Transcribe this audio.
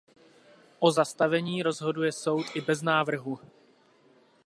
O zastavení rozhoduje soud i bez návrhu.